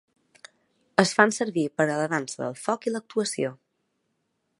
Es fan servir per a la dansa del foc i l'actuació.